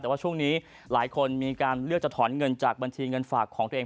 แต่ว่าช่วงนี้หลายคนมีการเลือกจะถอนเงินจากบัญชีเงินฝากของตัวเอง